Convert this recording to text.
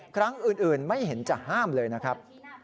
ครั้งอื่นไม่เห็นจะห้ามเลยนะครับ